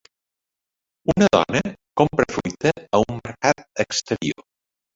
Una dona compra fruita a un mercat exterior